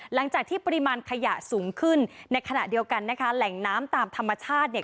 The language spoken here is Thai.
หลังจากที่ปริมาณขยะสูงขึ้นในขณะเดียวกันนะคะแหล่งน้ำตามธรรมชาติเนี่ย